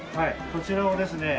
こちらをですね